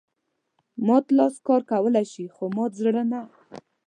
مات لاس کار کولای شي خو مات زړه نه.